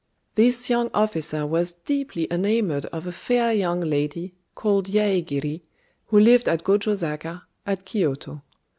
This young officer was deeply enamoured of a fair young lady, called Yaégiri, who lived at Gojôzaka, at Kiyôto.